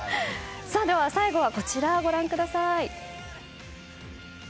では最後はこちらをご覧ください。